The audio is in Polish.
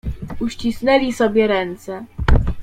"Uścisnęli sobie ręce."